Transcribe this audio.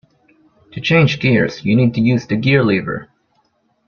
To change gears you need to use the gear-lever